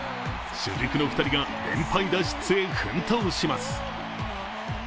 主軸の２人が連敗脱出へ奮闘します